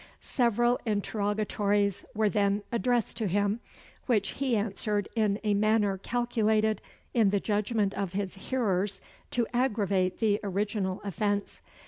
Several interrogatories were then addressed to him, which he answered in a manner calculated, in the judgment of his hearers, to aggravate the original offence.